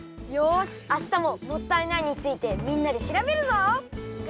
よしあしたも「もったいない」についてみんなでしらべるぞ！